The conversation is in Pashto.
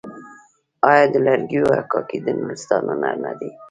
آیا د لرګیو حکاکي د نورستان هنر نه دی؟